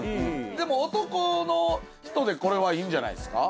でも男の人でこれはいいんじゃないですか？